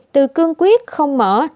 từ cương quyết không mở